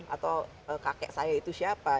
atau kakek saya itu siapa